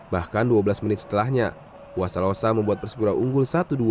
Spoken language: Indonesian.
bahkan dua belas menit setelahnya buas salosa membuat persipura unggul satu dua